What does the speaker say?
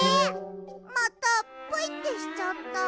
またプイってしちゃった。